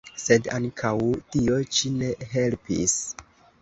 Sed ankaŭ tio ĉi ne helpis.